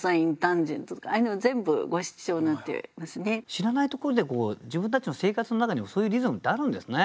知らないところで自分たちの生活の中にもそういうリズムってあるんですね。